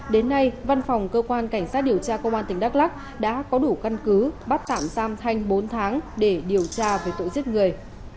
đến nay văn phòng cơ quan cảnh sát điều tra công an tỉnh đắk lắc đã có đủ căn cứ bắt tạm giam thanh bốn tháng để điều tra về tội giết người